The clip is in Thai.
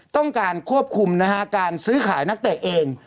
ต้องการควบคุมนะฮะการซื้อขายนักเตะเอง